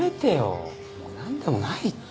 もう何でもないって。